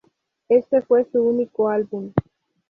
Este fue su unico álbum.